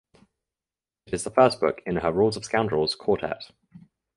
It is the first book in her Rules of Scoundrels quartet.